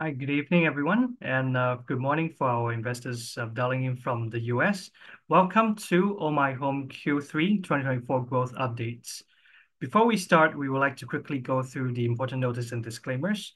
Hi, good evening, everyone, and good morning to our investors in the US. Welcome to Ohmyhome Q3 2024 growth updates. Before we start, we would like to quickly go through the important notice and disclaimers.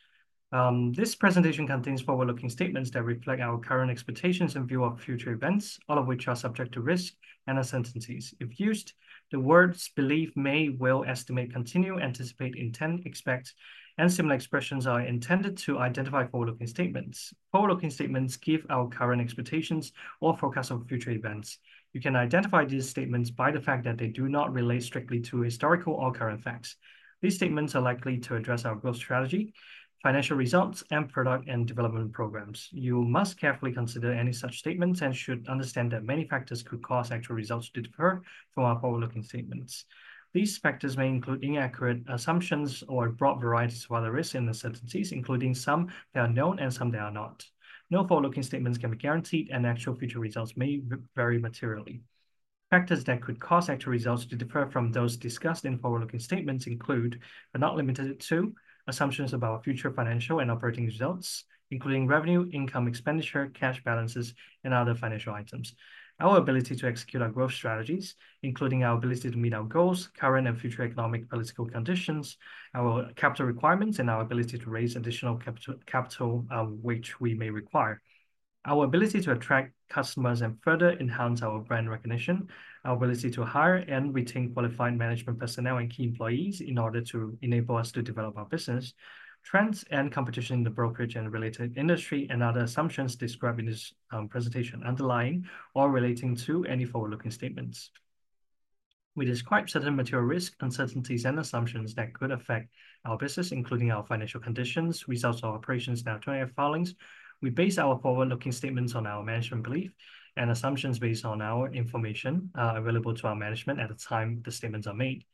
This presentation contains forward-looking statements that reflect our current expectations and view of future events, all of which are subject to risks and uncertainties. If used, the words "believe," "may," "will," "estimate," "continue," "anticipate," "intend," "expect," and similar expressions are intended to identify forward-looking statements. Forward-looking statements give our current expectations or forecasts of future events. You can identify these statements by the fact that they do not relate strictly to historical or current facts. These statements are likely to address our growth strategy, financial results, and product and development programs. You must carefully consider any such statements and should understand that many factors could cause actual results to differ from our forward-looking statements. These factors may include inaccurate assumptions or broad varieties of other risks in the sentences, including some that are known and some that are not. No forward-looking statements can be guaranteed, and actual future results may vary materially. Factors that could cause actual results to differ from those discussed in forward-looking statements include, but are not limited to, assumptions about future financial and operating results, including revenue, income, expenditure, cash balances, and other financial items. Our ability to execute our growth strategies, including our ability to meet our goals, current and future economic political conditions, our capital requirements, and our ability to raise additional capital, which we may require. Our ability to attract customers and further enhance our brand recognition, our ability to hire and retain qualified management personnel and key employees in order to enable us to develop our business, trends and competition in the brokerage and related industry, and other assumptions described in this presentation underlying or relating to any forward-looking statements. We describe certain material risks, uncertainties, and assumptions that could affect our business, including our financial conditions, results of operations, and alternative filings. We base our forward-looking statements on our management beliefs and assumptions based on our information available to our management at the time the statements are made.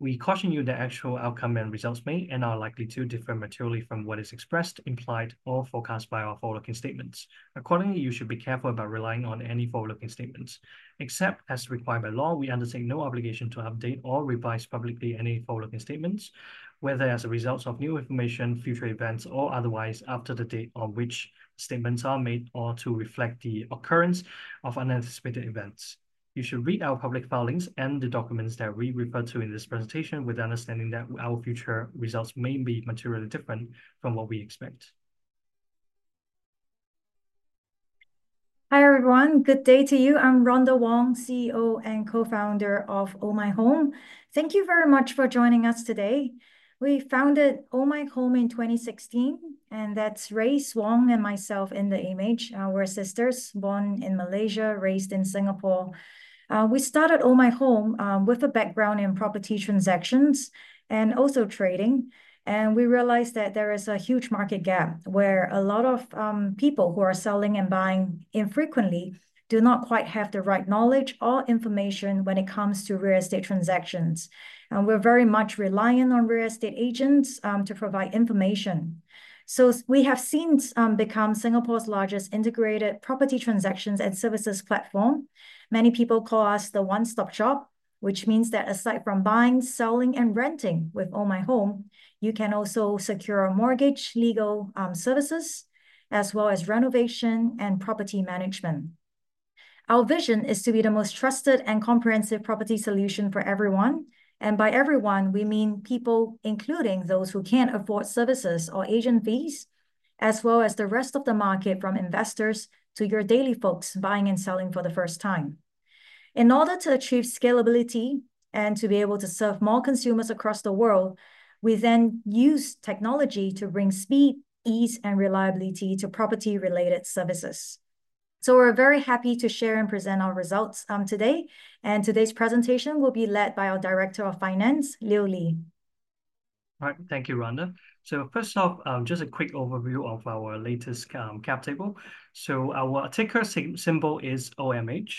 We caution you that actual outcome and results may and are likely to differ materially from what is expressed, implied, or forecast by our forward-looking statements. Accordingly, you should be careful about relying on any forward-looking statements. Except as required by law, we undertake no obligation to update or revise publicly any forward-looking statements, whether as a result of new information, future events, or otherwise after the date on which statements are made or to reflect the occurrence of unanticipated events. You should read our public filings and the documents that we refer to in this presentation with the understanding that our future results may be materially different from what we expect. Hi everyone, good day to you. I'm Rhonda Wong, CEO and co-founder of Ohmyhome. Thank you very much for joining us today. We founded Ohmyhome in 2016, and that's Ray, Swan, and myself in the image, our sisters born in Malaysia, raised in Singapore. We started Ohmyhome with a background in property transactions and also trading, and we realized that there is a huge market gap where a lot of people who are selling and buying infrequently do not quite have the right knowledge or information when it comes to real estate transactions, and we're very much reliant on real estate agents to provide information, so we have since become Singapore's largest integrated property transactions and services platform. Many people call us the one-stop shop, which means that aside from buying, selling, and renting with Ohmyhome, you can also secure a mortgage, legal services, as well as renovation and property management. Our vision is to be the most trusted and comprehensive property solution for everyone. And by everyone, we mean people including those who can't afford services or agent fees, as well as the rest of the market from investors to your daily folks buying and selling for the first time. In order to achieve scalability and to be able to serve more consumers across the world, we then use technology to bring speed, ease, and reliability to property-related services. So we're very happy to share and present our results today. And today's presentation will be led by our Director of Finance, Leo Li. All right, thank you, Rhonda. So first off, just a quick overview of our latest cap table. So our ticker symbol is OMH,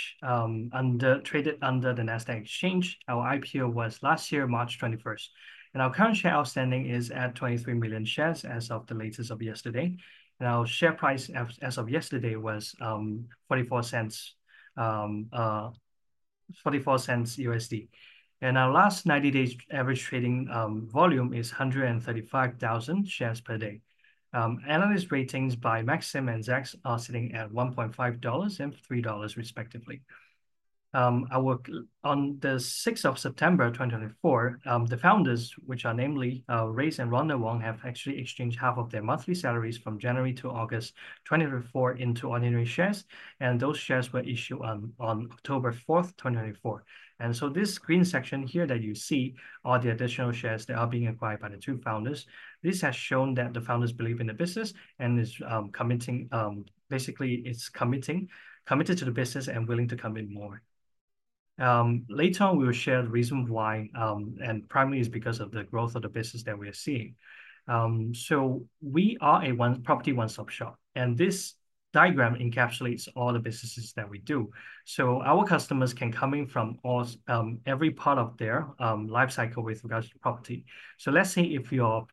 traded under the Nasdaq exchange. Our IPO was last year, March 21st. And our current shares outstanding is at 23 million shares as of the latest of yesterday. And our share price as of yesterday was $0.44. And our last 90-day average trading volume is 135,000 shares per day. Analyst ratings by Maxim and Zacks are sitting at $1.5 and $3 respectively. On the September 6th, 2024, the founders, which are namely Race and Rhonda Wong, have actually exchanged half of their monthly salaries from January 2024-August 2024 into ordinary shares. And those shares were issued on October 4th, 2024. And so this green section here that you see are the additional shares that are being acquired by the two founders. This has shown that the founders believe in the business and is committing, basically, it's committed to the business and willing to commit more. Later on, we will share the reason why, and primarily it's because of the growth of the business that we are seeing. So we are a property one-stop shop. And this diagram encapsulates all the businesses that we do. So our customers can come in from every part of their life cycle with regards to property. So let's say if you're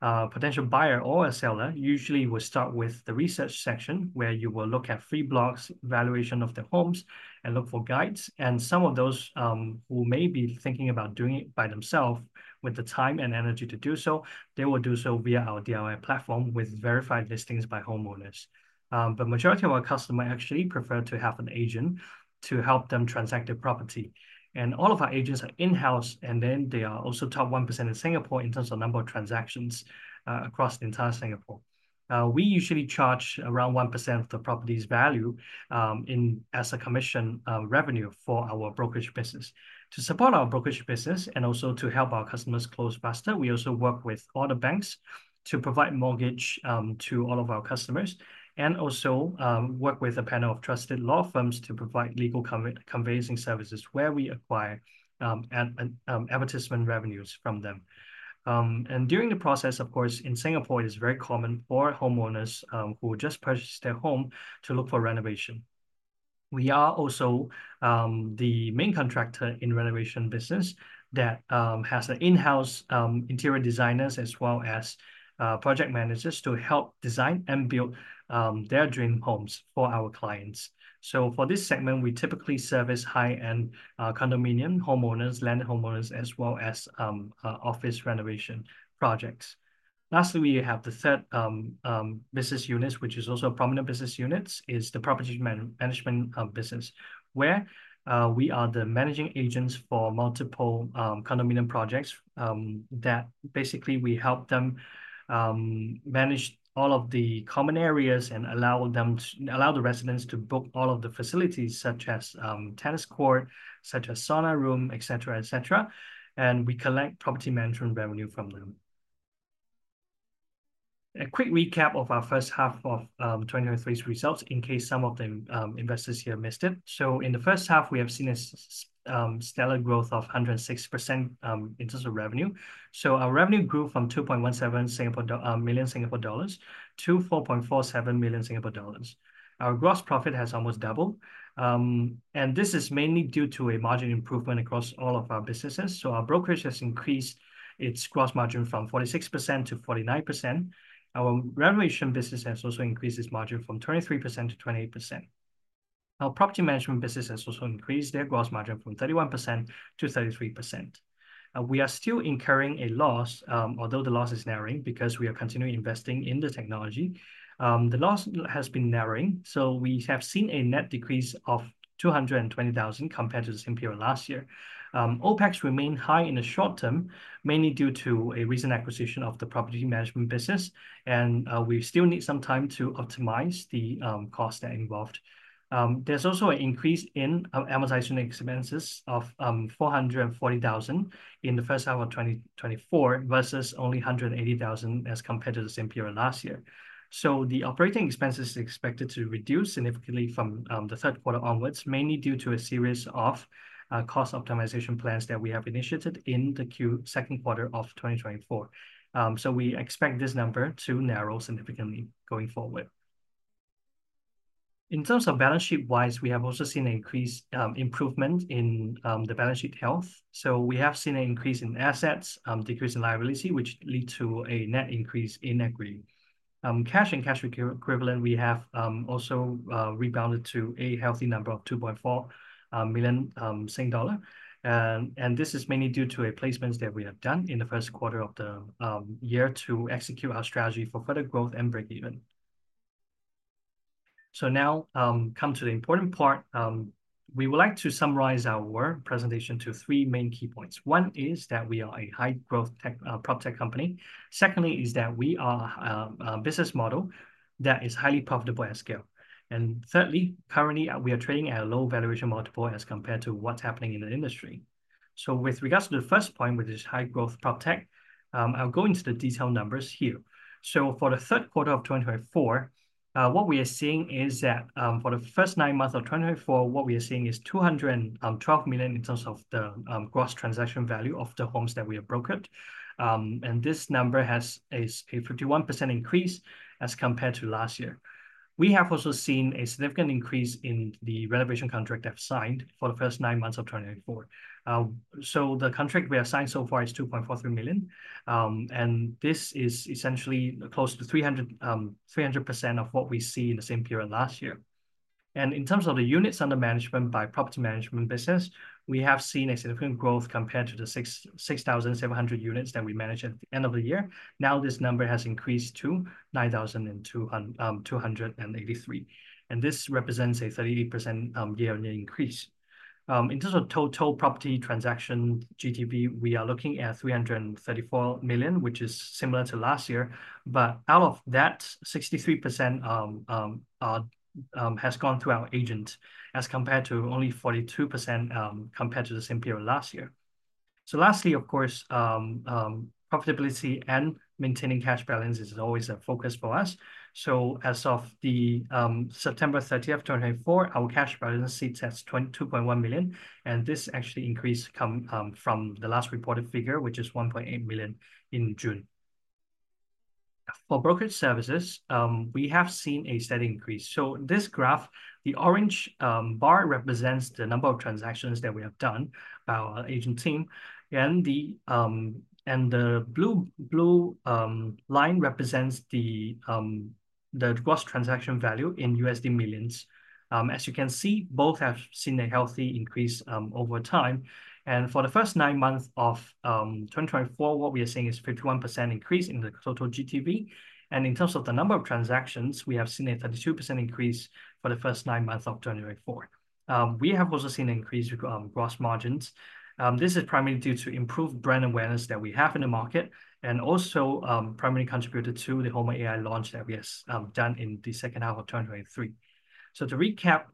a property potential buyer or a seller, usually we'll start with the research section where you will look at free blogs, evaluation of the homes, and look for guides. And some of those who may be thinking about doing it by themselves with the time and energy to do so, they will do so via our DIY platform with verified listings by homeowners. The majority of our customers actually prefer to have an agent to help them transact the property. All of our agents are in-house, and then they are also top 1% in Singapore in terms of number of transactions across the entire Singapore. We usually charge around 1% of the property's value as a commission revenue for our brokerage business. To support our brokerage business and also to help our customers close faster, we also work with other banks to provide mortgage to all of our customers and also work with a panel of trusted law firms to provide legal conveyancing services where we acquire advertisement revenues from them. During the process, of course, in Singapore, it is very common for homeowners who just purchased their home to look for renovation. We are also the main contractor in the renovation business that has in-house interior designers as well as project managers to help design and build their dream homes for our clients. So for this segment, we typically service high-end condominium homeowners, land homeowners, as well as office renovation projects. Lastly, we have the third business unit, which is also a prominent business unit, is the property management business, where we are the managing agents for multiple condominium projects that basically we help them manage all of the common areas and allow the residents to book all of the facilities such as tennis court, such as sauna room, et cetera, et cetera. And we collect property management revenue from them. A quick recap of our first half of 2023's results in case some of the investors here missed it. In the first half, we have seen a stellar growth of 106% in terms of revenue. Our revenue grew from 2.17 million-4.47 million Singapore dollars. Our gross profit has almost doubled. This is mainly due to a margin improvement across all of our businesses. Our brokerage has increased its gross margin from 46%-49%. Our renovation business has also increased its margin from 23%-28%. Our property management business has also increased their gross margin from 31%-33%. We are still incurring a loss, although the loss is narrowing because we are continuing investing in the technology. The loss has been narrowing. We have seen a net decrease of 220,000 compared to the same period last year. OpEx remained high in the short term, mainly due to a recent acquisition of the property management business. We still need some time to optimize the costs that are involved. There's also an increase in advertising expenses of 440,000 in the first half of 2024 versus only 180,000 as compared to the same period last year. The operating expenses are expected to reduce significantly from the third quarter onwards, mainly due to a series of cost optimization plans that we have initiated in the second quarter of 2024. We expect this number to narrow significantly going forward. In terms of balance sheet-wise, we have also seen an increased improvement in the balance sheet health. We have seen an increase in assets, decrease in liability, which leads to a net increase in equity. Cash and cash equivalent, we have also rebounded to a healthy number of 2.4 million Sing dollar. This is mainly due to placements that we have done in the first quarter of the year to execute our strategy for further growth and breakeven. Now come to the important part. We would like to summarize our presentation to three main key points. One is that we are a high-growth PropTech company. Secondly is that we are a business model that is highly profitable at scale. Thirdly, currently we are trading at a low valuation multiple as compared to what's happening in the industry. With regards to the first point, which is high-growth PropTech, I'll go into the detailed numbers here. For the third quarter of 2024, what we are seeing is that for the first nine months of 2024, what we are seeing is 212 million in terms of the gross transaction value of the homes that we have brokered. And this number has a 51% increase as compared to last year, we have also seen a significant increase in the renovation contract that was signed for the first nine months of 2024, so the contract we have signed so far is 2.43 million, and this is essentially close to 300% of what we see in the same period last year, and in terms of the units under management by property management business, we have seen a significant growth compared to the 6,700 units that we managed at the end of the year, now this number has increased to 9,283, and this represents a 38% year-on-year increase. In terms of total property transaction GTV, we are looking at 334 million, which is similar to last year, but out of that, 63% has gone through our agent as compared to only 42% compared to the same period last year. So lastly, of course, profitability and maintaining cash balance is always a focus for us. So as of September 30th, 2024, our cash balance sits at 2.1 million. And this actually increased from the last reported figure, which is 1.8 million in June. For brokerage services, we have seen a steady increase. So this graph, the orange bar represents the number of transactions that we have done by our agent team. And the blue line represents the gross transaction value in USD millions. As you can see, both have seen a healthy increase over time. And for the first nine months of 2024, what we are seeing is a 51% increase in the total GTV. And in terms of the number of transactions, we have seen a 32% increase for the first nine months of 2024. We have also seen an increase in gross margins. This is primarily due to improved brand awareness that we have in the market and also primarily contributed to the Homer AI launch that we have done in the second half of 2023. So to recap,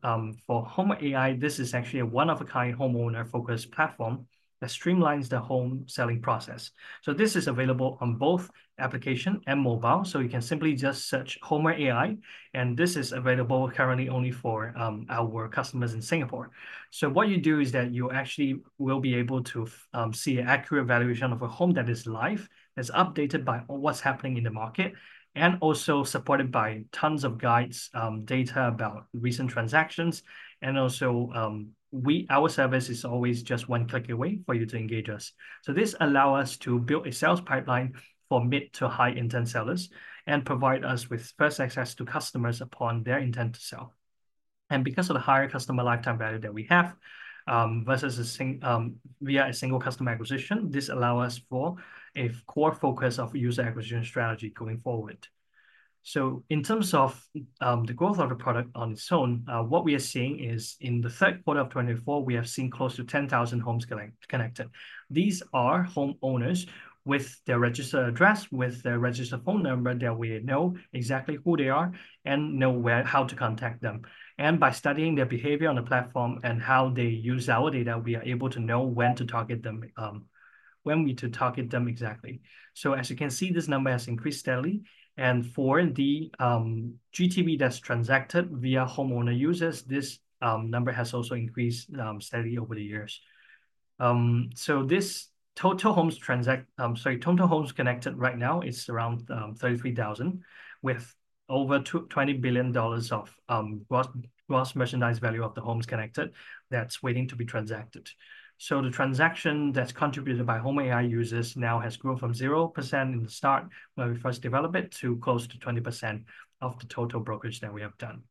for Homer AI, this is actually a one-of-a-kind homeowner-focused platform that streamlines the home selling process. So this is available on both application and mobile. So you can simply just search Homer AI. And this is available currently only for our customers in Singapore. So what you do is that you actually will be able to see an accurate valuation of a home that is live, that's updated by what's happening in the market, and also supported by tons of guides, data about recent transactions. And also our service is always just one click away for you to engage us. So this allows us to build a sales pipeline for mid to high-intent sellers and provide us with first access to customers upon their intent to sell. And because of the higher customer lifetime value that we have versus via a single customer acquisition, this allows us for a core focus of user acquisition strategy going forward. So in terms of the growth of the product on its own, what we are seeing is in the third quarter of 2024, we have seen close to 10,000 homes connected. These are homeowners with their registered address, with their registered phone number that we know exactly who they are and know how to contact them. And by studying their behavior on the platform and how they use our data, we are able to know when to target them, when we need to target them exactly. As you can see, this number has increased steadily. And for the GTV that's transacted via homeowner users, this number has also increased steadily over the years. This total homes transact, sorry, total homes connected right now is around $33,000 with over $20 billion of gross merchandise value of the homes connected that's waiting to be transacted. The transaction that's contributed by Ohmyhome AI users now has grown from 0% in the start when we first developed it to close to 20% of the total brokerage that we have done.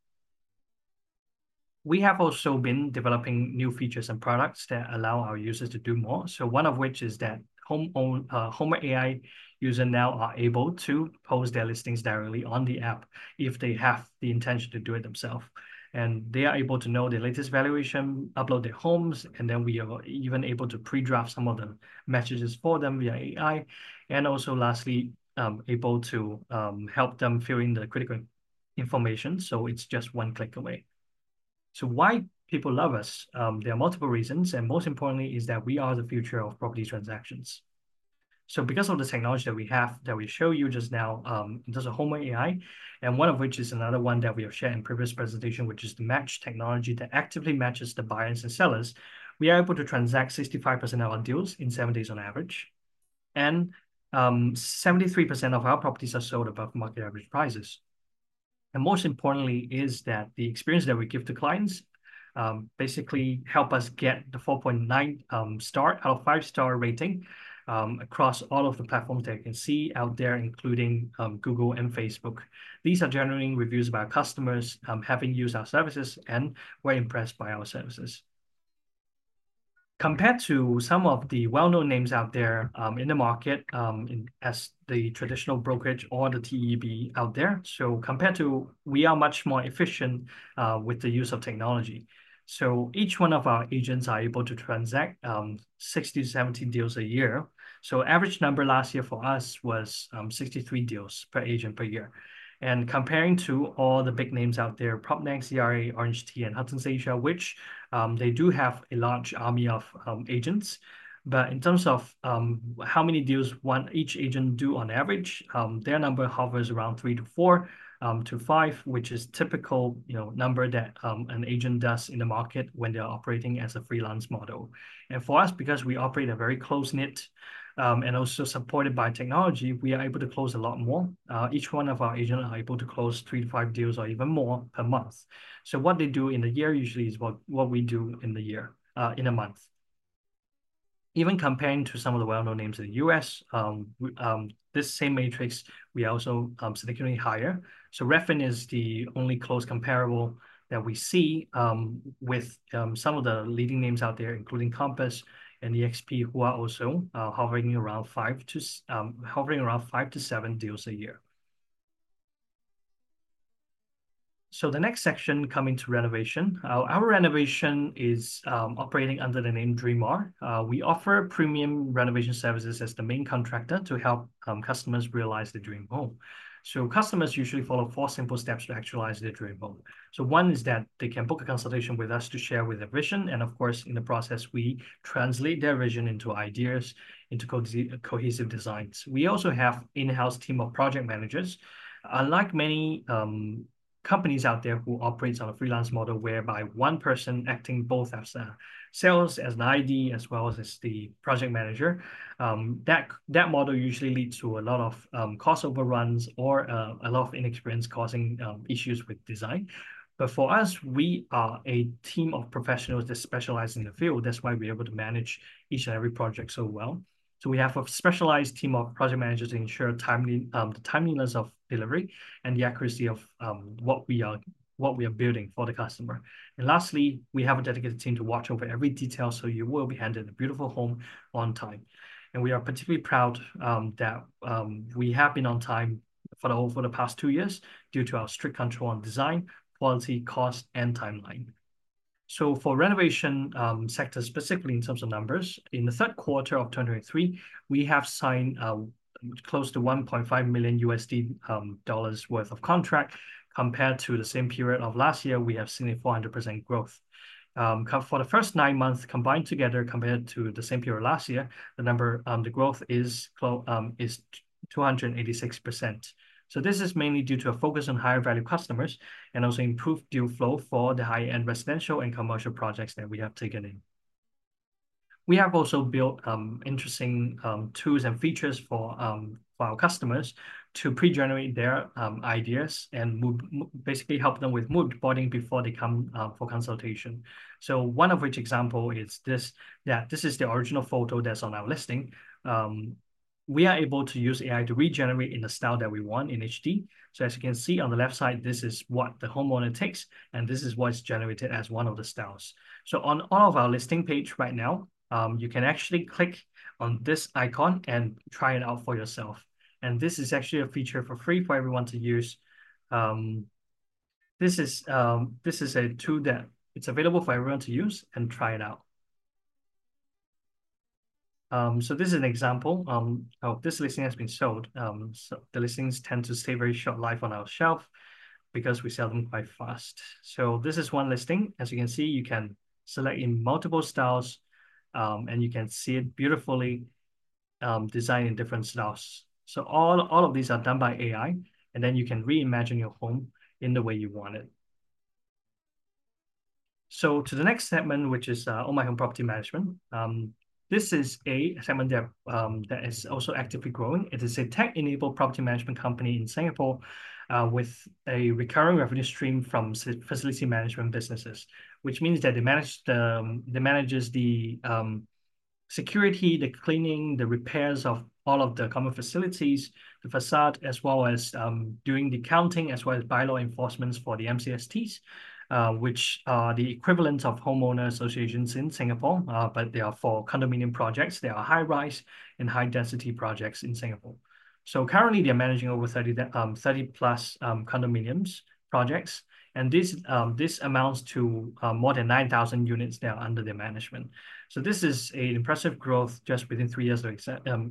We have also been developing new features and products that allow our users to do more. One of which is that Ohmyhome AI users now are able to post their listings directly on the app if they have the intention to do it themselves. They are able to know the latest valuation, upload their homes, and then we are even able to pre-draft some of the messages for them via AI. And also lastly, able to help them fill in the critical information. So it's just one click away. So why people love us? There are multiple reasons. And most importantly, is that we are the future of property transactions. So because of the technology that we have, that we show you just now, there's an Ohmyhome AI, and one of which is another one that we have shared in previous presentation, which is the MATCH technology that actively matches the buyers and sellers. We are able to transact 65% of our deals in seven days on average. And 73% of our properties are sold above market average prices. And most importantly, it is that the experience that we give to clients basically helps us get the 4.9-star out of five-star rating across all of the platforms that you can see out there, including Google and Facebook. These are generating reviews by our customers having used our services and were impressed by our services. Compared to some of the well-known names out there in the market as the traditional brokerage or the TEB out there, so compared to, we are much more efficient with the use of technology. So each one of our agents is able to transact 60-70 deals a year. So the average number last year for us was 63 deals per agent per year. And comparing to all the big names out there, PropNext, ERA, OrangeTee, and Huttons Asia, which they do have a large army of agents. But in terms of how many deals each agent does on average, their number hovers around three to four to five, which is a typical number that an agent does in the market when they're operating as a freelance model. And for us, because we operate a very close-knit and also supported by technology, we are able to close a lot more. Each one of our agents is able to close three to five deals or even more per month. So what they do in the year usually is what we do in the year in a month. Even comparing to some of the well-known names in the U.S., this same metric we are also significantly higher. Redfin is the only close comparable that we see with some of the leading names out there, including Compass and eXp, who are also hovering around five-seven deals a year. The next section coming to renovation, our renovation is operating under the name DreamArt. We offer premium renovation services as the main contractor to help customers realize their dream home. Customers usually follow four simple steps to actualize their dream home. One is that they can book a consultation with us to share with their vision. And of course, in the process, we translate their vision into ideas, into cohesive designs. We also have an in-house team of project managers. Unlike many companies out there who operate on a freelance model whereby one person acting both as a sales, as an ID, as well as the project manager, that model usually leads to a lot of cost overruns or a lot of inexperience causing issues with design, but for us, we are a team of professionals that specialize in the field. That's why we're able to manage each and every project so well, so we have a specialized team of project managers to ensure the timeliness of delivery and the accuracy of what we are building for the customer, and lastly, we have a dedicated team to watch over every detail so you will be handed a beautiful home on time, and we are particularly proud that we have been on time for the past two years due to our strict control on design, quality, cost, and timeline. For the renovation sector, specifically in terms of numbers, in the third quarter of 2023, we have signed close to $1.5 million worth of contract. Compared to the same period of last year, we have seen a 400% growth. For the first nine months combined together, compared to the same period last year, the number, the growth is 286%. This is mainly due to a focus on higher-value customers and also improved deal flow for the high-end residential and commercial projects that we have taken in. We have also built interesting tools and features for our customers to pre-generate their ideas and basically help them with mood boarding before they come for consultation. One of which examples is this, that this is the original photo that's on our listing. We are able to use AI to regenerate in the style that we want in HD. As you can see on the left side, this is what the homeowner takes, and this is what's generated as one of the styles. So on all of our listing page right now, you can actually click on this icon and try it out for yourself. And this is actually a feature for free for everyone to use. This is a tool that it's available for everyone to use and try it out. So this is an example of this listing has been sold. So the listings tend to stay very short life on our shelf because we sell them quite fast. So this is one listing. As you can see, you can select in multiple styles and you can see it beautifully designed in different styles. So all of these are done by AI, and then you can reimagine your home in the way you want it. So to the next segment, which is Ohmyhome Property Management, this is a segment that is also actively growing. It is a tech-enabled property management company in Singapore with a recurring revenue stream from facility management businesses, which means that it manages the security, the cleaning, the repairs of all of the common facilities, the facade, as well as doing the accounting, as well as bylaw enforcement for the MCSTs, which are the equivalents of homeowners associations in Singapore, but they are for condominium projects. They are high-rise and high-density projects in Singapore. So currently, they're managing over 30+ condominium projects. And this amounts to more than 9,000 units now under their management. So this is an impressive growth just within three years of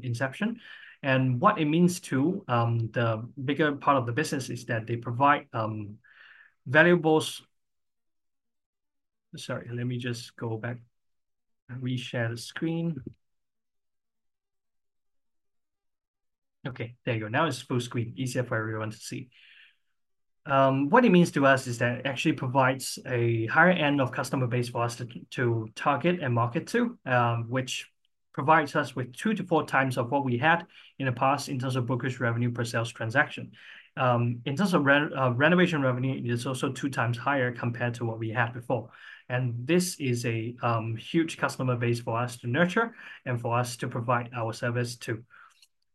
inception. And what it means to the bigger part of the business is that they provide valuables. Sorry, let me just go back and reshare the screen. Okay, there you go. Now it's full screen, easier for everyone to see. What it means to us is that it actually provides a higher-end customer base for us to target and market to, which provides us with two to four times of what we had in the past in terms of brokerage revenue per sales transaction. In terms of renovation revenue, it is also two times higher compared to what we had before. And this is a huge customer base for us to nurture and for us to provide our service to.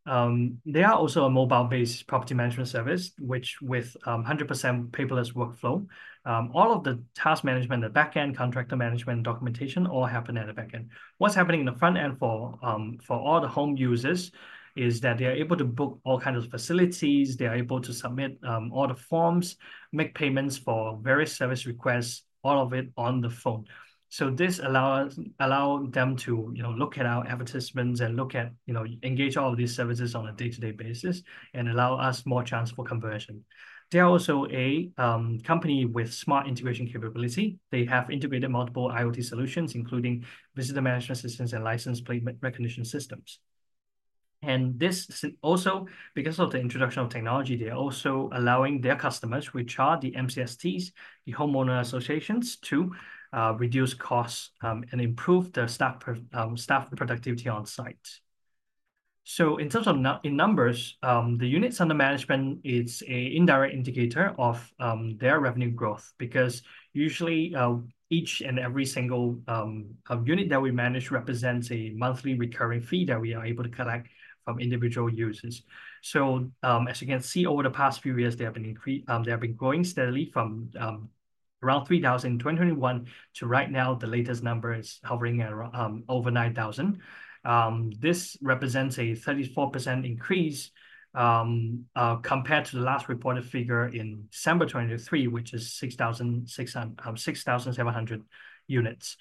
They are also a mobile-based property management service, which with 100% paperless workflow. All of the task management, the backend contractor management, documentation all happen at the backend. What’s happening in the front end for all the home users is that they are able to book all kinds of facilities. They are able to submit all the forms, make payments for various service requests, all of it on the phone. So this allows them to look at our advertisements and look at and engage all of these services on a day-to-day basis and allow us more chance for conversion. They are also a company with smart integration capability. They have integrated multiple IoT solutions, including visitor management systems and license plate recognition systems, and this is also because of the introduction of technology, they’re also allowing their customers, which are the MCSTs, the homeowner associations, to reduce costs and improve the staff productivity on site. In terms of numbers, the units under management is an indirect indicator of their revenue growth because usually each and every single unit that we manage represents a monthly recurring fee that we are able to collect from individual users. As you can see, over the past few years, they have been growing steadily from around 3,000 units in 2021 to right now, the latest number is hovering at over 9,000 units. This represents a 34% increase compared to the last reported figure in December 2023, which is 6,700 units.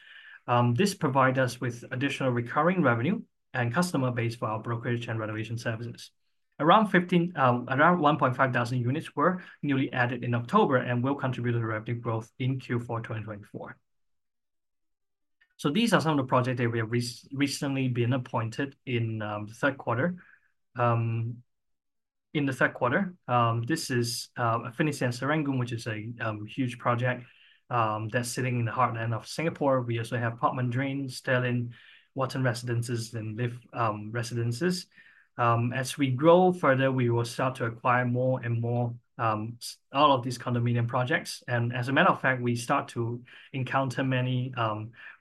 This provides us with additional recurring revenue and customer base for our brokerage and renovation services. Around 1,500 units were newly added in October and will contribute to revenue growth in Q4 2024. These are some of the projects that we have recently been appointed in the third quarter. In the third quarter, this is Affinity at Serangoon, which is a huge project that's sitting in the heartland of Singapore. We also have Parc Mondrian, Stirling, Watten Residences, and LIV Residences. As we grow further, we will start to acquire more and more all of these condominium projects. And as a matter of fact, we start to encounter many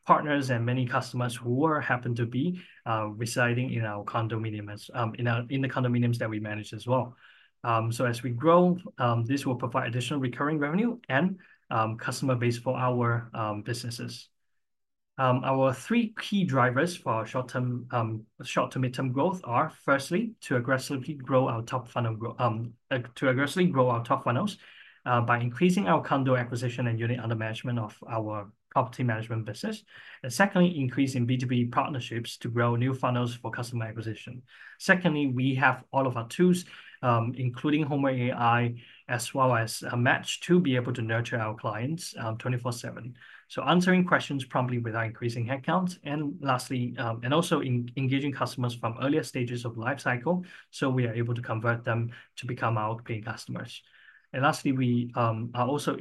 partners and many customers who happen to be residing in our condominiums, in the condominiums that we manage as well. So as we grow, this will provide additional recurring revenue and customer base for our businesses. Our three key drivers for our short-term growth are, firstly, to aggressively grow our top funnels, to aggressively grow our top funnels by increasing our condo acquisition and unit under management of our property management business. And secondly, increasing B2B partnerships to grow new funnels for customer acquisition. Secondly, we have all of our tools, including Homer AI, as well as MATCH to be able to nurture our clients 24/7, answering questions promptly without increasing headcounts. And lastly, and also engaging customers from earlier stages of life cycle, so we are able to convert them to become our paying customers. And lastly, we are also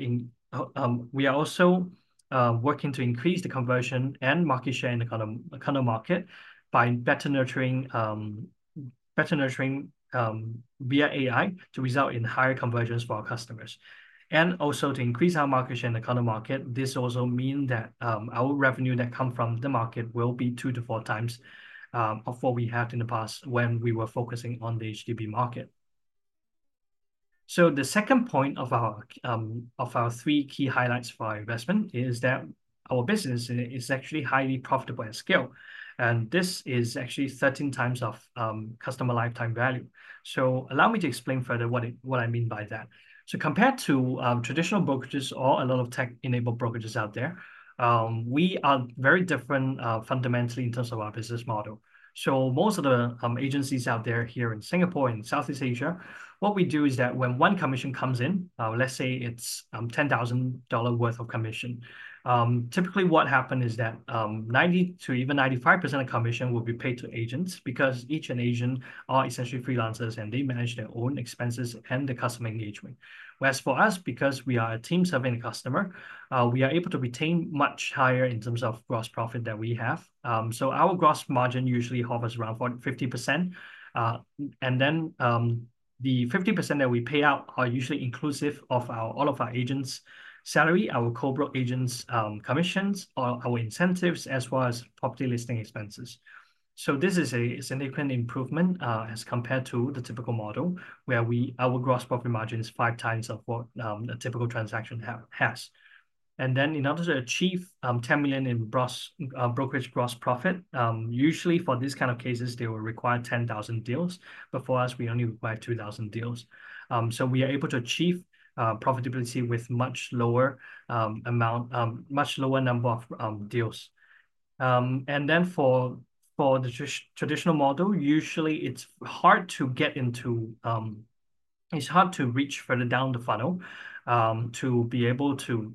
working to increase the conversion and market share in the condo market by better nurturing via AI to result in higher conversions for our customers. And also to increase our market share in the condo market, this also means that our revenue that comes from the market will be two to four times of what we had in the past when we were focusing on the HDB market. The second point of our three key highlights for our investment is that our business is actually highly profitable at scale. And this is actually 13x of customer lifetime value. So allow me to explain further what I mean by that. So compared to traditional brokers or a lot of tech-enabled brokers out there, we are very different fundamentally in terms of our business model. So most of the agencies out there here in Singapore and Southeast Asia, what we do is that when one commission comes in, let's say it's 10,000 dollar worth of commission, typically what happens is that 90%-95% of commission will be paid to agents because each agent are essentially freelancers and they manage their own expenses and the customer engagement. Whereas for us, because we are a team serving the customer, we are able to retain much higher in terms of gross profit that we have. So our gross margin usually hovers around 50%. And then the 50% that we pay out are usually inclusive of all of our agents' salary, our co-broke agents' commissions, our incentives, as well as property listing expenses. So this is a significant improvement as compared to the typical model where our gross property margin is 5x of what a typical transaction has. And then in order to achieve 10 million in brokerage gross profit, usually for these kind of cases, they will require 10,000 deals. But for us, we only require 2,000 deals. So we are able to achieve profitability with much lower amount, much lower number of deals. Then for the traditional model, usually it's hard to get into. It's hard to reach further down the funnel to be able to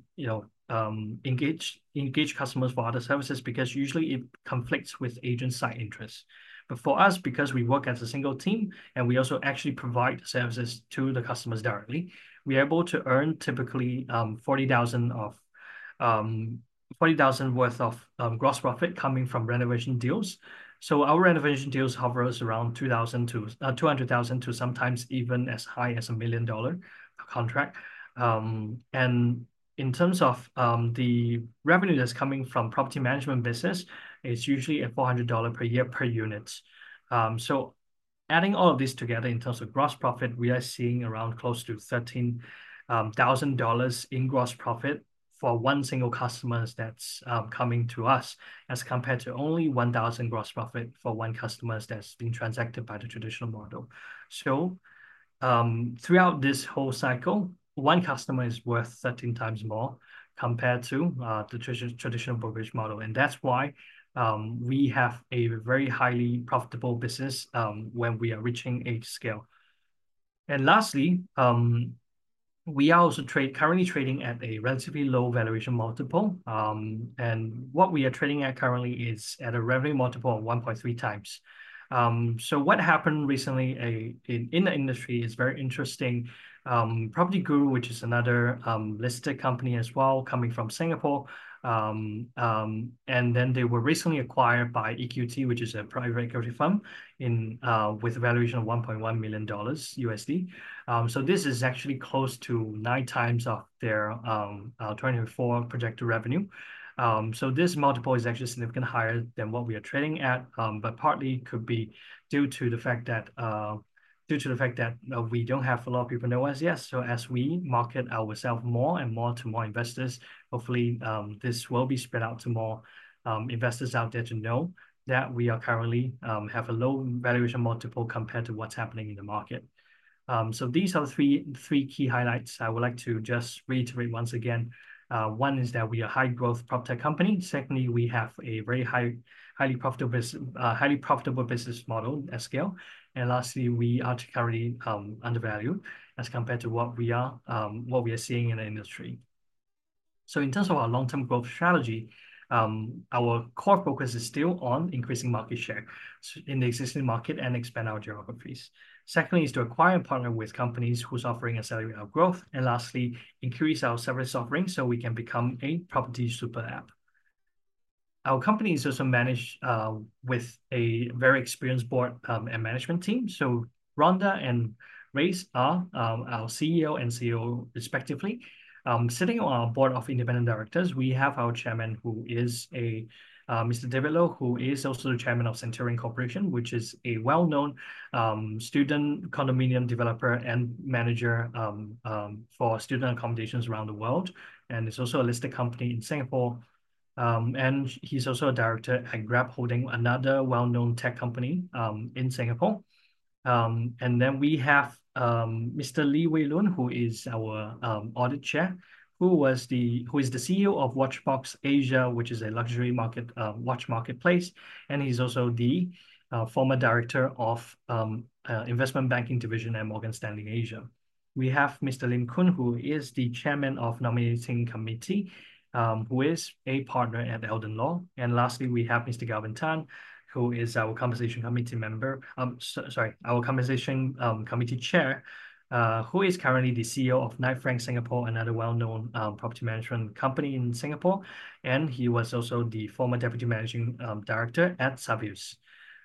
engage customers for other services because usually it conflicts with agent side interests. For us, because we work as a single team and we also actually provide services to the customers directly, we are able to earn typically 40,000 worth of gross profit coming from renovation deals. Our renovation deals hover around 200,000 to sometimes even as high as a 1 million dollar contract. In terms of the revenue that's coming from property management business, it's usually at 400 dollar per year per unit. So adding all of this together in terms of gross profit, we are seeing around close to 13,000 dollars in gross profit for one single customer that's coming to us as compared to only 1,000 gross profit for one customer that's being transacted by the traditional model. So throughout this whole cycle, one customer is worth 13x more compared to the traditional brokerage model. And that's why we have a very highly profitable business when we are reaching at scale. And lastly, we are also currently trading at a relatively low valuation multiple. And what we are trading at currently is at a revenue multiple of 1.3x. So what happened recently in the industry is very interesting. PropertyGuru, which is another listed company as well, coming from Singapore. And then they were recently acquired by EQT, which is a private equity firm with a valuation of $1.1 million. So this is actually close to nine times of their 2024 projected revenue. So this multiple is actually significantly higher than what we are trading at, but partly could be due to the fact that, due to the fact that we don't have a lot of people know us yet. So as we market ourselves more and more to more investors, hopefully this will be spread out to more investors out there to know that we currently have a low valuation multiple compared to what's happening in the market. So these are the three key highlights I would like to just reiterate once again. One is that we are a high-growth prop tech company. Secondly, we have a very highly profitable business model at scale. And lastly, we are currently undervalued as compared to what we are seeing in the industry. So in terms of our long-term growth strategy, our core focus is still on increasing market share in the existing market and expand our geographies. Secondly, is to acquire and partner with companies who are offering a source of growth. And lastly, increase our service offering so we can become a property super app. Our company is also managed with a very experienced board and management team. So Rhonda and Race are our CEO and CEO respectively. Sitting on our board of independent directors, we have our chairman, who is David Loh, who is also the chairman of Centurion Corporation, which is a well-known student condominium developer and manager for student accommodations around the world. And it's also a listed company in Singapore. And he's also a director at Grab Holdings, another well-known tech company in Singapore. And then we have Mr. Lee Wei Loon, who is our Audit Committee Chair, who is the CEO of WatchBox Asia, which is a luxury watch marketplace. And he's also the former director of investment banking division at Morgan Stanley Asia. We have Mr. Lim Kuan, who is the chairman of the nominating committee, who is a partner at Eldan Law. And lastly, we have Mr. Galven Tan, who is our remuneration committee member, sorry, our remuneration committee chair, who is currently the CEO of Knight Frank Singapore, another well-known property management company in Singapore. And he was also the former deputy managing director at Savills.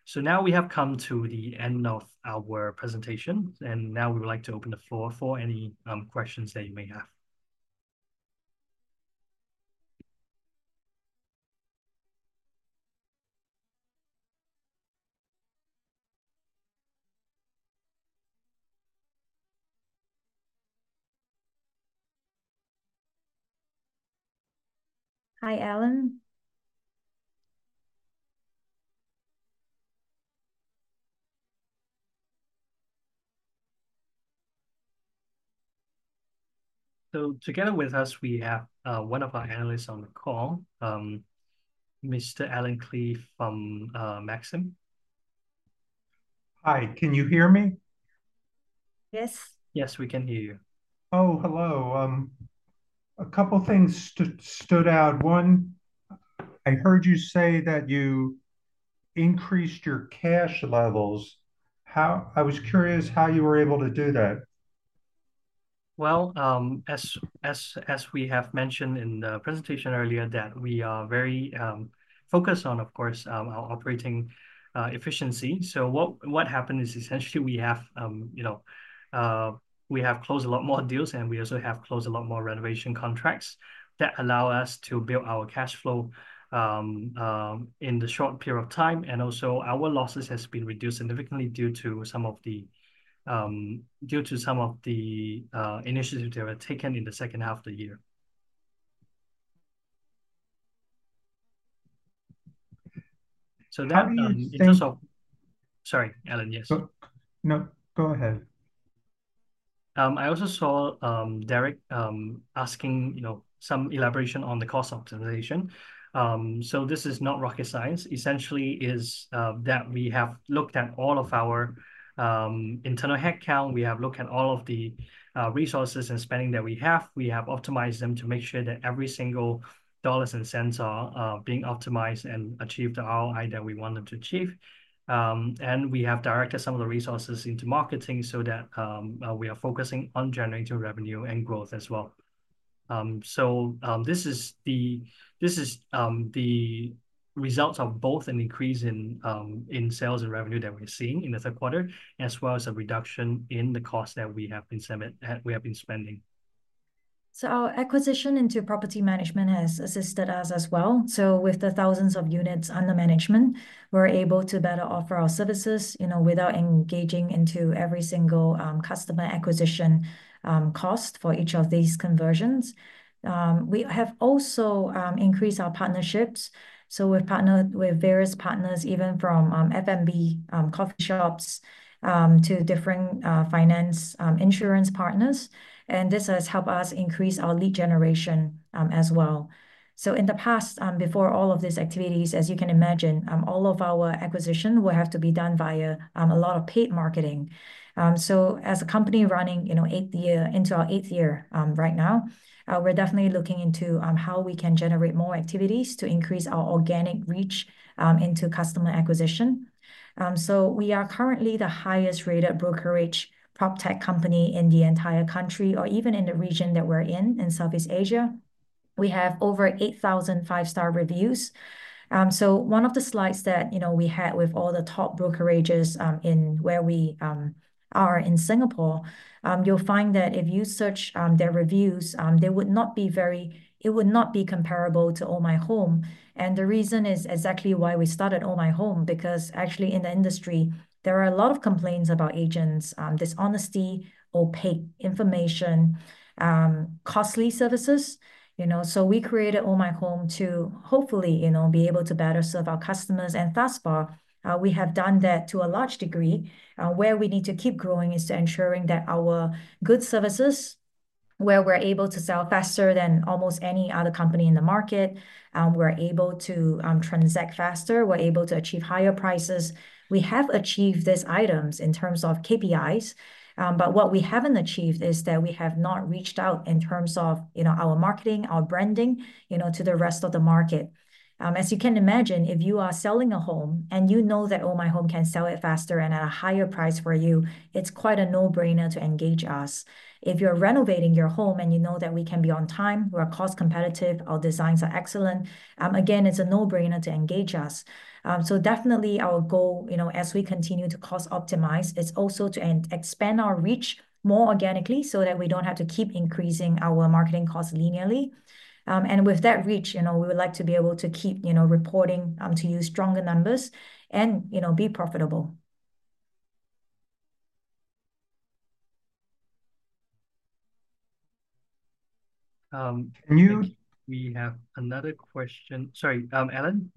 So now we have come to the end of our presentation. And now we would like to open the floor for any questions that you may have. Hi, Allen. Together with us, we have one of our analysts on the call, Mr. Allen Klee from Maxim. Hi, can you hear me? Yes. Yes, we can hear you. Oh, hello. A couple of things stood out. One, I heard you say that you increased your cash levels. I was curious how you were able to do that. Well, as we have mentioned in the presentation earlier, that we are very focused on, of course, our operating efficiency. What happened is essentially we have closed a lot more deals, and we also have closed a lot more renovation contracts that allow us to build our cash flow in the short period of time. Also our losses have been reduced significantly due to some of the initiatives that were taken in the second half of the year. That means in terms of—sorry, Allen, yes. No, go ahead. I also saw Derek asking some elaboration on the cost optimization. So this is not rocket science. Essentially, is that we have looked at all of our internal headcount. We have looked at all of the resources and spending that we have. We have optimized them to make sure that every single dollar and cents are being optimized and achieved the ROI that we want them to achieve. And we have directed some of the resources into marketing so that we are focusing on generating revenue and growth as well. So this is the results of both an increase in sales and revenue that we're seeing in the third quarter, as well as a reduction in the cost that we have been spending. So our acquisition into property management has assisted us as well. With the thousands of units under management, we're able to better offer our services without engaging into every single customer acquisition cost for each of these conversions. We have also increased our partnerships. So we've partnered with various partners, even from FMB coffee shops to different finance insurance partners. And this has helped us increase our lead generation as well. So in the past, before all of these activities, as you can imagine, all of our acquisition will have to be done via a lot of paid marketing. So as a company running into our eighth year right now, we're definitely looking into how we can generate more activities to increase our organic reach into customer acquisition. So we are currently the highest-rated brokerage PropTech company in the entire country, or even in the region that we're in, in Southeast Asia. We have over 8,000 five-star reviews. So, one of the slides that we had with all the top brokerages where we are in Singapore. You'll find that if you search their reviews, they would not be very. It would not be comparable to Ohmyhome. And the reason is exactly why we started Ohmyhome, because actually in the industry, there are a lot of complaints about agents, dishonesty, opaque information, costly services. So we created Ohmyhome to hopefully be able to better serve our customers. And thus far, we have done that to a large degree. Where we need to keep growing is to ensuring that our good services, where we're able to sell faster than almost any other company in the market, we're able to transact faster, we're able to achieve higher prices. We have achieved these items in terms of KPIs, but what we haven't achieved is that we have not reached out in terms of our marketing, our branding to the rest of the market. As you can imagine, if you are selling a home and you know that Ohmyhome can sell it faster and at a higher price for you, it's quite a no-brainer to engage us. If you're renovating your home and you know that we can be on time, we're cost competitive, our designs are excellent, again, it's a no-brainer to engage us. So definitely our goal as we continue to cost optimize is also to expand our reach more organically so that we don't have to keep increasing our marketing costs linearly. And with that reach, we would like to be able to keep reporting to you stronger numbers and be profitable. Can you. We have another question. Sorry, Allen.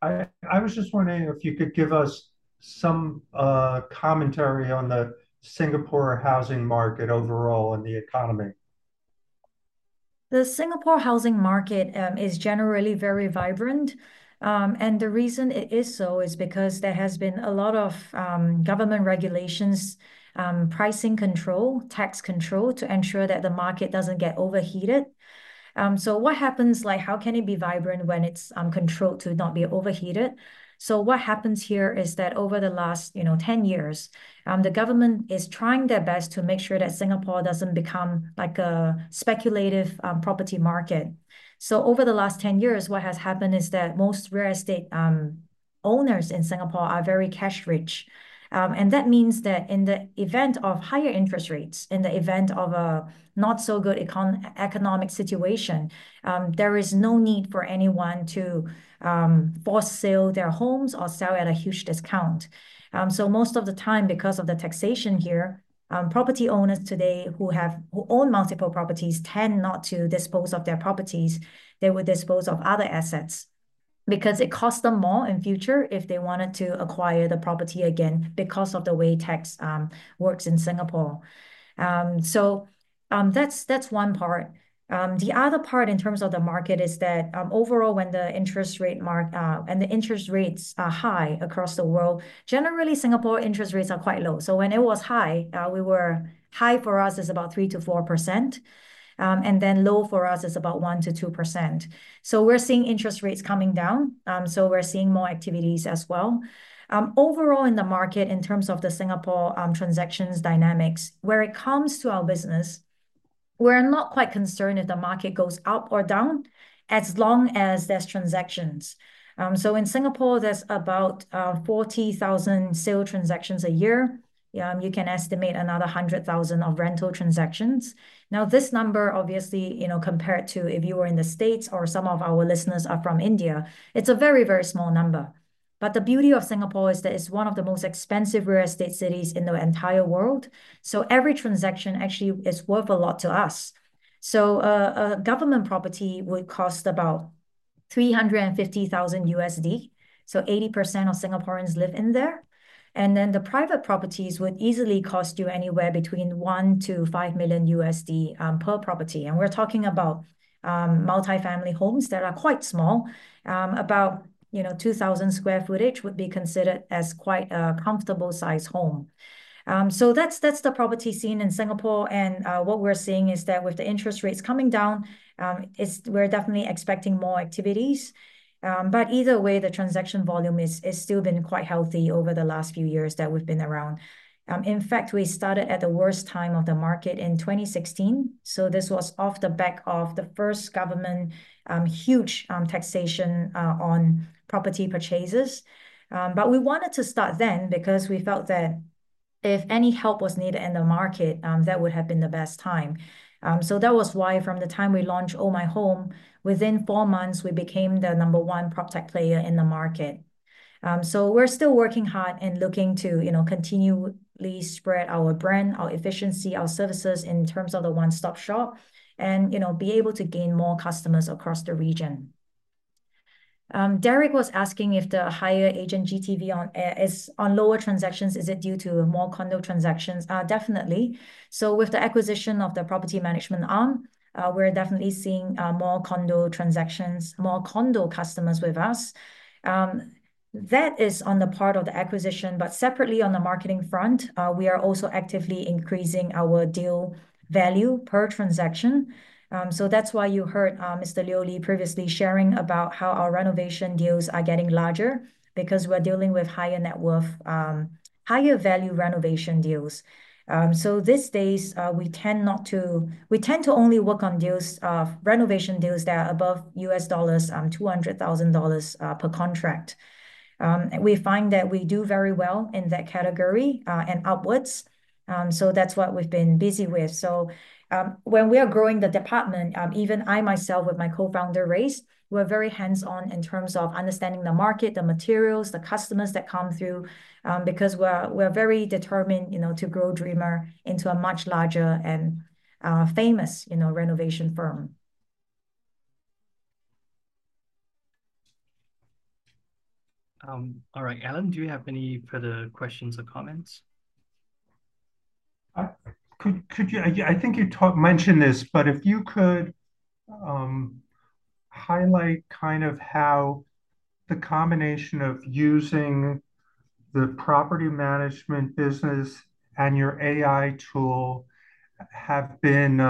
I was just wondering if you could give us some commentary on the Singapore housing market overall and the economy. The Singapore housing market is generally very vibrant. And the reason it is so is because there has been a lot of government regulations, pricing control, tax control to ensure that the market doesn't get overheated. So what happens, how can it be vibrant when it's controlled to not be overheated? So what happens here is that over the last 10 years, the government is trying their best to make sure that Singapore doesn't become a speculative property market. So over the last 10 years, what has happened is that most real estate owners in Singapore are very cash rich. That means that in the event of higher interest rates, in the event of a not-so-good economic situation, there is no need for anyone to force sale their homes or sell at a huge discount. So most of the time, because of the taxation here, property owners today who own multiple properties tend not to dispose of their properties. They will dispose of other assets because it costs them more in future if they wanted to acquire the property again because of the way tax works in Singapore. So that's one part. The other part in terms of the market is that overall, when the interest rate and the interest rates are high across the world, generally Singapore interest rates are quite low. So when it was high, we were high for us is about 3%-4%. And then low for us is about 1%-2%. We're seeing interest rates coming down. We're seeing more activities as well. Overall, in the market, in terms of the Singapore transactions dynamics, where it comes to our business, we're not quite concerned if the market goes up or down as long as there's transactions. In Singapore, there's about 40,000 sale transactions a year. You can estimate another 100,000 of rental transactions. Now, this number, obviously, compared to if you were in the States or some of our listeners are from India, it's a very, very small number. The beauty of Singapore is that it's one of the most expensive real estate cities in the entire world. Every transaction actually is worth a lot to us. A government property would cost about $350,000. 80% of Singaporeans live in there. And then the private properties would easily cost you anywhere between $1 million-$5 million per property. And we're talking about multifamily homes that are quite small. About 2,000 sq ft would be considered as quite a comfortable size home. So that's the property scene in Singapore. And what we're seeing is that with the interest rates coming down, we're definitely expecting more activities. But either way, the transaction volume has still been quite healthy over the last few years that we've been around. In fact, we started at the worst time of the market in 2016. So this was off the back of the first government huge taxation on property purchases. But we wanted to start then because we felt that if any help was needed in the market, that would have been the best time. That was why from the time we launched Ohmyhome, within four months, we became the number one prop tech player in the market. We're still working hard and looking to continually spread our brand, our efficiency, our services in terms of the one-stop shop and be able to gain more customers across the region. Derek was asking if the higher agent GTV is on lower transactions, is it due to more condo transactions? Definitely. With the acquisition of the property management arm, we're definitely seeing more condo transactions, more condo customers with us. That is on the part of the acquisition. But separately on the marketing front, we are also actively increasing our deal value per transaction. That's why you heard Mr. Leo Li previously sharing about how our renovation deals are getting larger because we're dealing with higher net worth, higher value renovation deals. So these days, we tend not to, we tend to only work on renovation deals that are above $200,000 per contract. We find that we do very well in that category and upwards. So that's what we've been busy with. So when we are growing the department, even I myself, with my co-founder Race, we're very hands-on in terms of understanding the market, the materials, the customers that come through because we're very determined to grow DreamArt into a much larger and famous renovation firm. All right, Allen, do you have any further questions or comments? I think you mentioned this, but if you could highlight kind of how the combination of using the property management business and your AI tool have been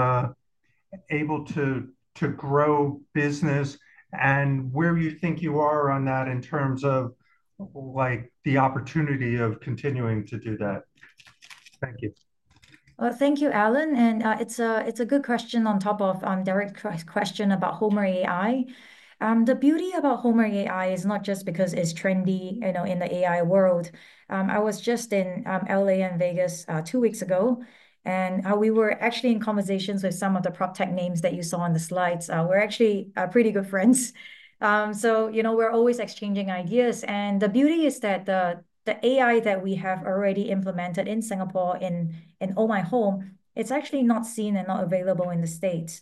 able to grow business and where you think you are on that in terms of the opportunity of continuing to do that. Thank you. Thank you, Allen. It's a good question on top of Derek's question about Homer AI. The beauty about Homer AI is not just because it's trendy in the AI world. I was just in LA and Vegas two weeks ago, and we were actually in conversations with some of the PropTech names that you saw on the slides. We're actually pretty good friends, so we're always exchanging ideas. The beauty is that the AI that we have already implemented in Singapore in Ohmyhome; it's actually not seen and not available in the States.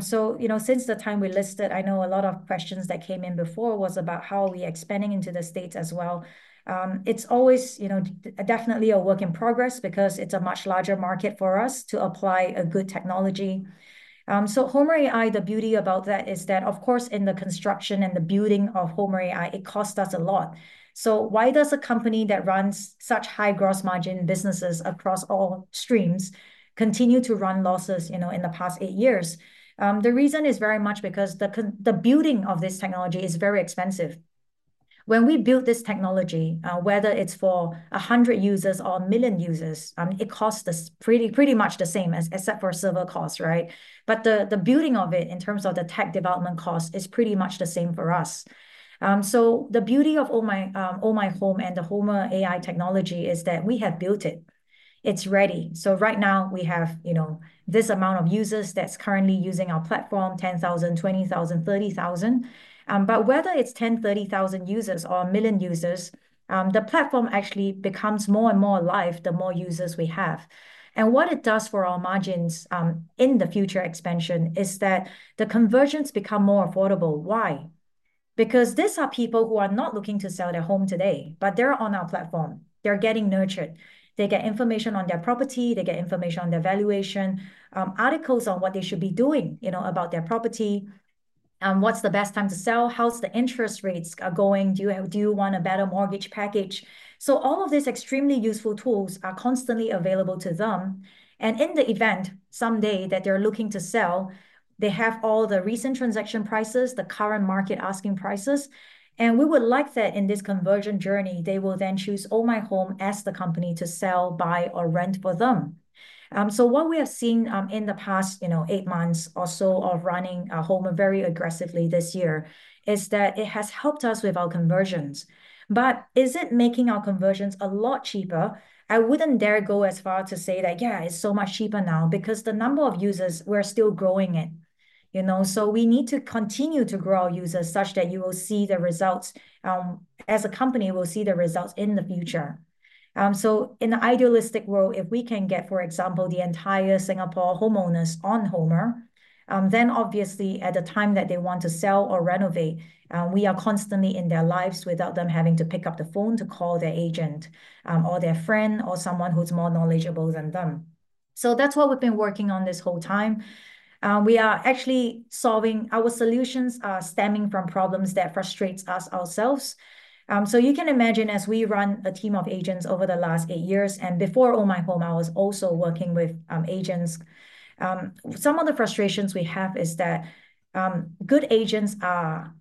So since the time we listed, I know a lot of questions that came in before was about how are we expanding into the States as well. It's always definitely a work in progress because it's a much larger market for us to apply a good technology. Homer AI, the beauty about that is that, of course, in the construction and the building of Homer AI, it costs us a lot. Why does a company that runs such high gross margin businesses across all streams continue to run losses in the past eight years? The reason is very much because the building of this technology is very expensive. When we build this technology, whether it's for 100 users or a million users, it costs pretty much the same except for server costs, right? But the building of it in terms of the tech development cost is pretty much the same for us. The beauty of Ohmyhome and the Homer AI technology is that we have built it. It's ready. Right now, we have this amount of users that's currently using our platform, 10,000, 20,000, 30,000. But whether it's 10,000 users, 30,000 users or a million users, the platform actually becomes more and more alive the more users we have. And what it does for our margins in the future expansion is that the conversions become more affordable. Why? Because these are people who are not looking to sell their home today, but they're on our platform. They're getting nurtured. They get information on their property. They get information on their valuation, articles on what they should be doing about their property. What's the best time to sell? How's the interest rates going? Do you want a better mortgage package? So all of these extremely useful tools are constantly available to them. And in the event someday that they're looking to sell, they have all the recent transaction prices, the current market asking prices. We would like that in this conversion journey, they will then choose Ohmyhome as the company to sell, buy, or rent for them. What we have seen in the past eight months or so of running Ohmyhome very aggressively this year is that it has helped us with our conversions. Is it making our conversions a lot cheaper? I wouldn't dare go as far to say that, yeah, it's so much cheaper now because the number of users, we're still growing it. We need to continue to grow our users such that you will see the results as a company will see the results in the future. In the idealistic world, if we can get, for example, the entire Singapore homeowners on Homer, then obviously at the time that they want to sell or renovate, we are constantly in their lives without them having to pick up the phone to call their agent or their friend or someone who's more knowledgeable than them. That's what we've been working on this whole time. We are actually solving our solutions stemming from problems that frustrate us ourselves. You can imagine as we run a team of agents over the last eight years. Before Ohmyhome, I was also working with agents. Some of the frustrations we have is that good agents are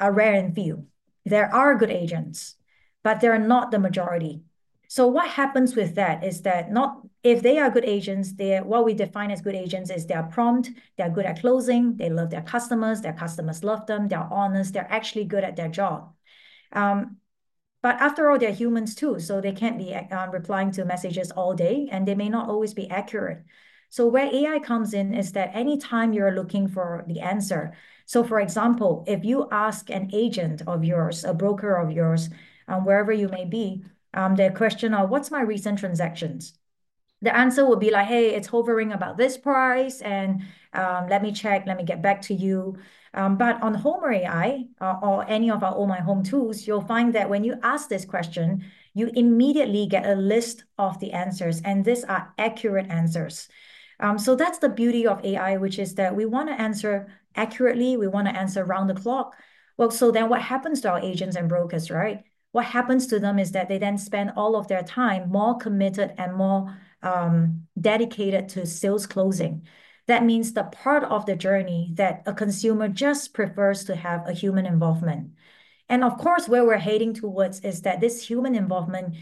rare indeed. There are good agents, but they're not the majority. So what happens with that is that if they are good agents, what we define as good agents is they're prompt, they're good at closing, they love their customers, their customers love them, they're honest, they're actually good at their job, but after all, they're humans too, so they can't be replying to messages all day, and they may not always be accurate, so where AI comes in is that anytime you're looking for the answer, so for example, if you ask an agent of yours, a broker of yours, wherever you may be, the question of, "What's my recent transactions?" The answer will be like, "Hey, it's hovering about this price, and let me check. Let me get back to you," but on Homer AI or any of our Ohmyhome tools, you'll find that when you ask this question, you immediately get a list of the answers, and these are accurate answers. So that's the beauty of AI, which is that we want to answer accurately. We want to answer round the clock, well, so then what happens to our agents and brokers, right? What happens to them is that they then spend all of their time more committed and more dedicated to sales closing. That means the part of the journey that a consumer just prefers to have a human involvement, and of course, where we're heading towards is that this human involvement,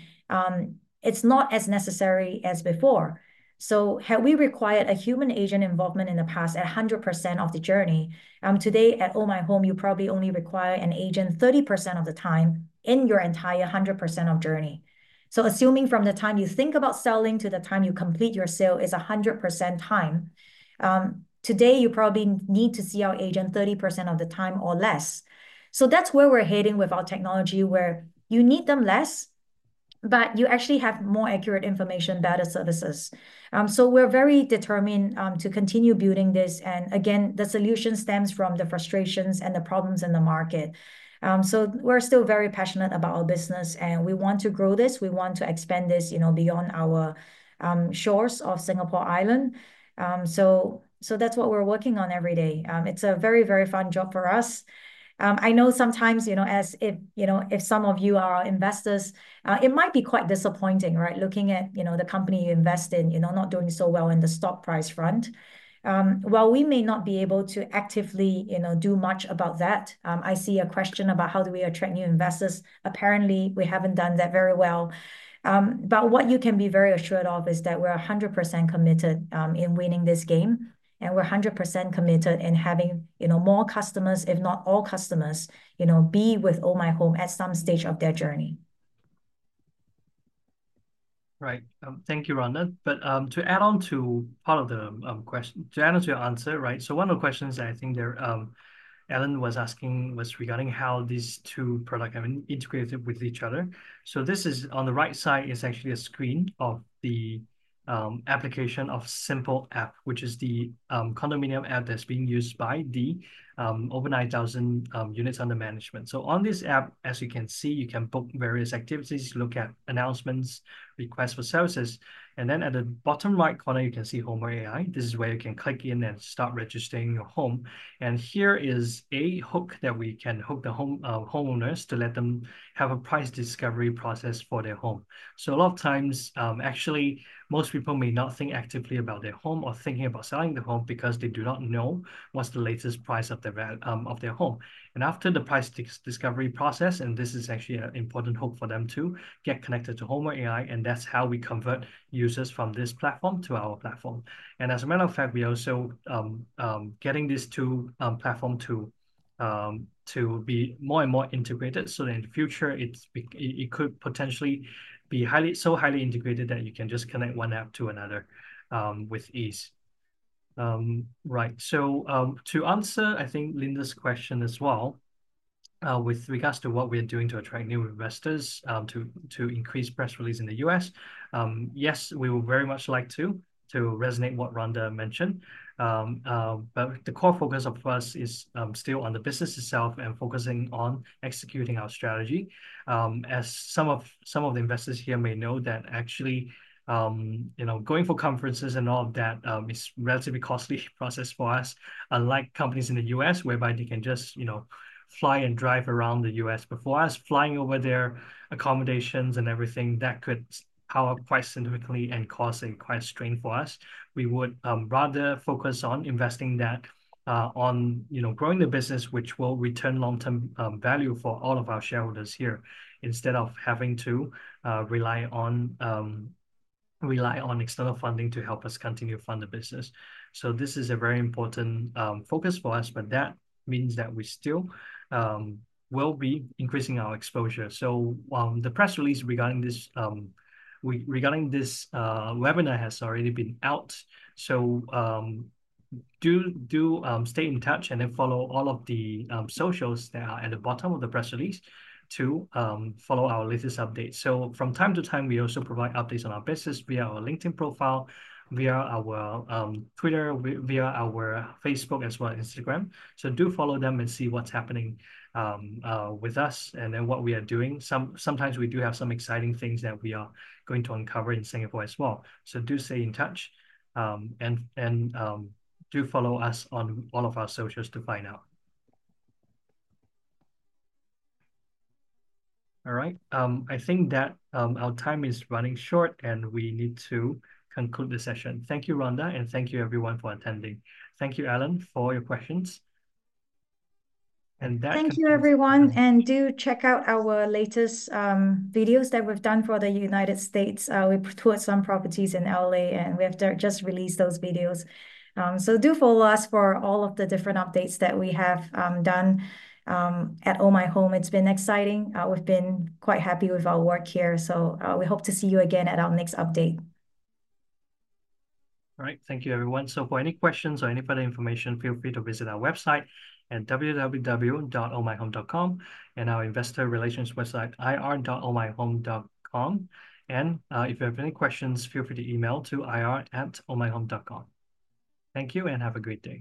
it's not as necessary as before, so have we required a human agent involvement in the past at 100% of the journey? Today at Ohmyhome, you probably only require an agent 30% of the time in your entire 100% of journey. So assuming from the time you think about selling to the time you complete your sale is 100% time, today you probably need to see our agent 30% of the time or less. So that's where we're heading with our technology, where you need them less, but you actually have more accurate information, better services. So we're very determined to continue building this. And again, the solution stems from the frustrations and the problems in the market. So we're still very passionate about our business, and we want to grow this. We want to expand this beyond our shores of Singapore Island. So that's what we're working on every day. It's a very, very fun job for us. I know sometimes, if some of you are investors, it might be quite disappointing, right? Looking at the company you invest in, not doing so well in the stock price front. We may not be able to actively do much about that. I see a question about how do we attract new investors. Apparently, we haven't done that very well. But what you can be very assured of is that we're 100% committed in winning this game, and we're 100% committed in having more customers, if not all customers, be with Ohmyhome at some stage of their journey. Right.Thank you, Rhonda. But to add on to part of the question, to answer your answer, right? One of the questions that I think Allen was asking was regarding how these two products are integrated with each other. This is on the right side; it is actually a screen of the application of Simple App, which is the condominium app that's being used by the over 9,000 units under management. On this app, as you can see, you can book various activities, look at announcements, [and] requests for services. Then at the bottom right corner, you can see Homer AI. This is where you can click in and start registering your home. Here is a hook that we can hook the homeowners to let them have a price discovery process for their home. A lot of times, actually, most people may not think actively about their home or thinking about selling the home because they do not know what's the latest price of their home. And after the price discovery process, and this is actually an important hook for them to get connected to Homer AI, and that's how we convert users from this platform to our platform. And as a matter of fact, we are also getting this two-platform tool to be more and more integrated so that in the future, it could potentially be so highly integrated that you can just connect one app to another with ease. Right. So to answer, I think, Linda's question as well with regards to what we're doing to attract new investors to increase press release in the U.S., yes, we would very much like to resonate what Rhonda mentioned. But the core focus of us is still on the business itself and focusing on executing our strategy. As some of the investors here may know that actually going for conferences and all of that is a relatively costly process for us, unlike companies in the U.S., whereby they can just fly and drive around the U.S. but for us, flying over their accommodations and everything that could cost quite significantly and cause quite a strain for us. We would rather focus on investing that on growing the business, which will return long-term value for all of our shareholders here instead of having to rely on external funding to help us continue to fund the business. So this is a very important focus for us, but that means that we still will be increasing our exposure. So the press release regarding this webinar has already been out. Do stay in touch and then follow all of the socials that are at the bottom of the press release to follow our latest updates. From time to time, we also provide updates on our business via our LinkedIn profile, via our Twitter, via our Facebook as well as Instagram. Do follow them and see what's happening with us and then what we are doing. Sometimes we do have some exciting things that we are going to uncover in Singapore as well. Do stay in touch and do follow us on all of our socials to find out. All right. I think that our time is running short, and we need to conclude the session. Thank you, Rhonda, and thank you, everyone, for attending. Thank you, Allen, for your questions. And that. Thank you, everyone. Do check out our latest videos that we've done for the United States. We put some properties in LA, and we have just released those videos. Do follow us for all of the different updates that we have done at Ohmyhome. It's been exciting. We've been quite happy with our work here. We hope to see you again at our next update. All right. Thank you, everyone. For any questions or any further information, feel free to visit our website at www.ohmyhome.com and our investor relations website, ir-ohmyhome.com. And if you have any questions, feel free to email to ir@ohmyhome.com. Thank you and have a great day.